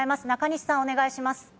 中西さん、お願いします。